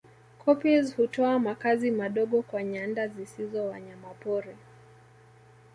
Koppies hutoa makazi madogo kwa nyanda zisizo wanyamapori